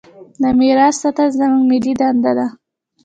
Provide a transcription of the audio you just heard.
د میراث ساتنه زموږ ملي دنده ده.